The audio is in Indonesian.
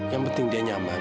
yang penting dia nyaman